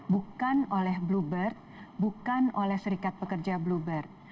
bukan oleh bluebird bukan oleh serikat pekerja bluebird